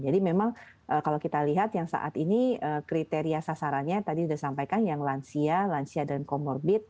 jadi memang kalau kita lihat yang saat ini kriteria sasarannya tadi sudah disampaikan yang lansia lansia dan comorbid